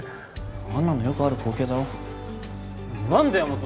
あんなのよくある光景だろ何でヤマト